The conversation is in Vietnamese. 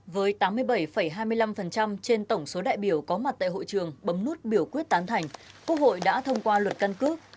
với tám mươi bảy hai mươi năm trên tổng số đại biểu có mặt tại hội trường bấm nút biểu quyết tán thành quốc hội đã thông qua luật căn cước